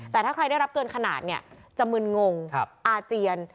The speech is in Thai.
แต่ถ้าใครได้รับเกินขนาดเนี่ยจะมึนงงอาเจียน